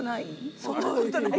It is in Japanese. そんなことない？